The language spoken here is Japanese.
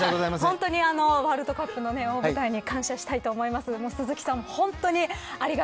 本当にワールドカップの大舞台に感謝したいと思います。